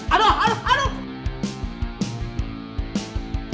aduh aduh aduh